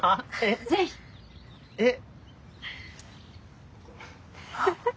ぜひ！えっ。